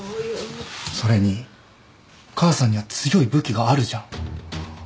それに母さんには強い武器があるじゃん。